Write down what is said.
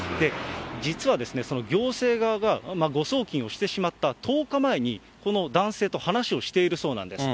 実は、その行政側が誤送金をしてしまった１０日前に、この男性と話をしているそうなんです。